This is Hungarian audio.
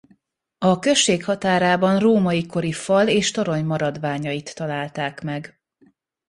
A község határában római kori fal- és torony maradványait találták meg.